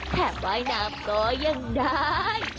แผ่นวายน้ำก็ยังได้